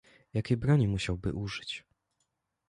"Jakiej broni musiałby użyć?"